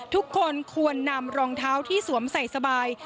ทุกคนควรนำรองเท้าที่สวมใส่สบาย